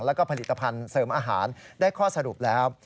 แล้วก็ผลิตภัณฑ์เสริมอาหารได้ข้อสรุปแล้ว